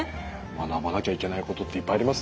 学ばなきゃいけないことっていっぱいありますね。